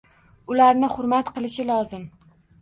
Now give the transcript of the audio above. Ularni hurmat qilishi lozim.